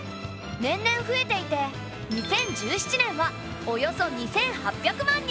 年々増えていて２０１７年はおよそ２，８００万人。